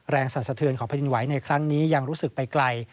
แรงสัดสะเทือนของผลิตไว้ในครั้งนี้ยังรู้สึกไปไกล